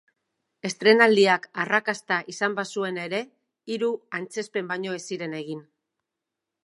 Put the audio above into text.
Estreinaldiak arrakasta izan bazuen ere, hiru antzezpen baino ez ziren egin.